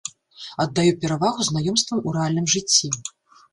Аддаю перавагу знаёмствам у рэальным жыцці.